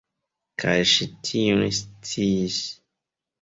Kaj ŝi tion sciis.